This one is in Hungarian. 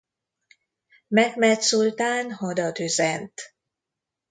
Mehmed szultán hadat üzent.